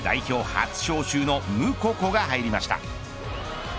初招集のムココが入りました。